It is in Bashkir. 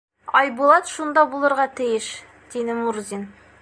Айбулат шунда булырға тейеш, — тине Мурзин.